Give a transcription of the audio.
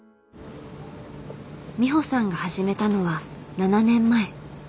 美穂さんが始めたのは７年前。